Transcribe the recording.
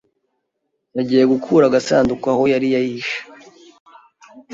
yagiye gukura agasanduku aho yari yihishe.